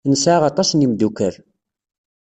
Nesɛa aṭas n yimeddukal.